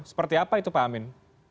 seperti apa itu pak amin